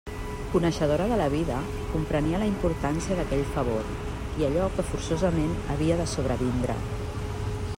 Coneixedora de la vida, comprenia la importància d'aquell favor i allò que forçosament havia de sobrevindre.